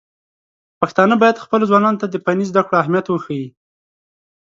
پښتانه بايد خپلو ځوانانو ته د فني زده کړو اهميت وښيي.